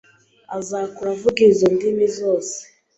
azakura avuga izo ndimi zose